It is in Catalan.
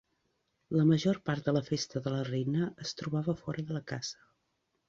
La major part de la festa de la reina es trobava fora de la caça.